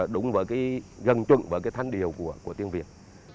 đúng với cái gần chuẩn với cái thanh điệu của tiếng việt